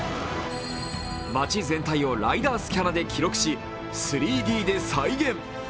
街全体をライダースキャナで記録し、３Ｄで再現。